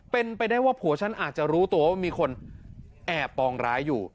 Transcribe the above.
เป็นไปได้ว่าผัวฉันอาจจะรู้ตัวว่ามีคนแอบปองร้ายอยู่